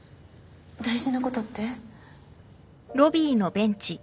大事なことって？